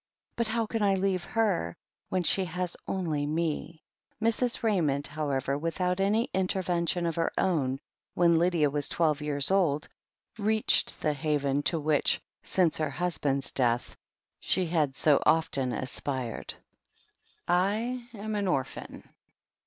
But how can I leave her, when she only has me?" Mrs. Ra)anond, however, without any intervention of her own, when Lydia was twelve years old, reached the haven to which, since her husband's death, she had so often aspired. "I am an orphan."